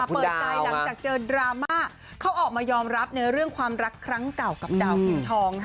เปิดใจหลังจากเจอดราม่าเขาออกมายอมรับในเรื่องความรักครั้งเก่ากับดาวพิมพ์ทอง